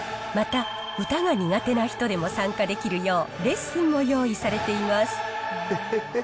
また、歌が苦手な人でも参加できるよう、レッスンも用意されています。